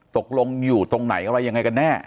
ตกลงอยู่ตรงไหนอะไรยังไงกันแน่